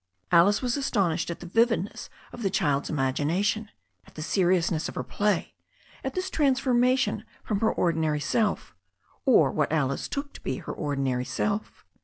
Alice was astonished at the vividness of the child's imag ination, at the seriousness of her play, at this transformation from her ordinary self, or what Alice took to be her ordi nary self.